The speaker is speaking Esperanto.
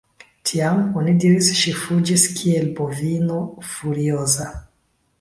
Tiam, oni diris ŝi fuĝis kiel bovino furioza.